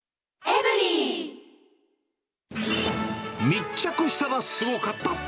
密着したらスゴかった！